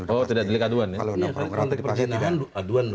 oh tidak delik aduan ya